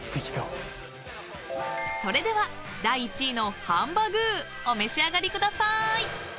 ［それでは第１位のハンバ具ーお召し上がりくださーい！］